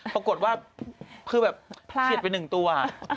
ปรากฏว่าคือแบบเสียดไปหนึ่งตัว